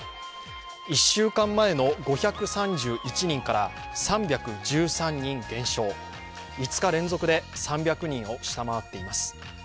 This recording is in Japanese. １週間前の５３１人から３１３人減少、５日連続で３００人を下回っています。